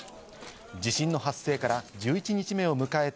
地震の発生から１１日目を迎えた